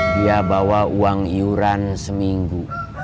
dia bawa uang iuran seminggu